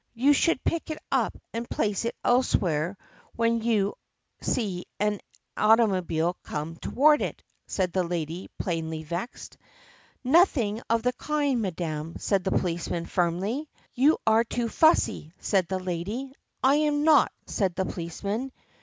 "You should pick it up and place it elsewhere when you see an automobile come toward it," said the lady plainly vexed. "Nothing of the kind, madam," said the policeman firmly. "You are too fussy," said the lady. "I am not," said the policeman.